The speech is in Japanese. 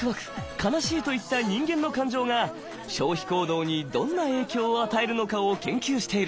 「悲しい」といった人間の感情が消費行動にどんな影響を与えるのかを研究している。